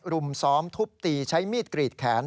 รุมซ้อมทุบตีใช้มีดกรีดแขน